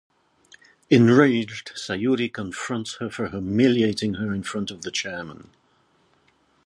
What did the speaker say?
Enraged, Sayuri confronts her for humiliating her in front of the Chairman.